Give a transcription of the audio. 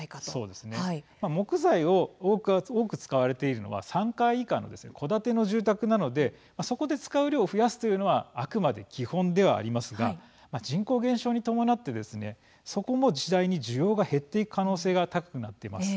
木材を多く使われているのは３階以下の戸建ての住宅なのでそこで使う量を増やすというのはあくまで基本ではありますが人口減少に伴ってそこも次第に需要が減っていく可能性が高くなっています。